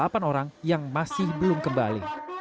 dan ada tujuh orang yang masih belum kembali